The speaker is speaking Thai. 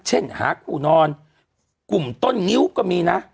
หาคู่นอนกลุ่มต้นงิ้วก็มีนะ